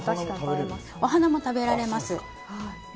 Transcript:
お花も食べられます。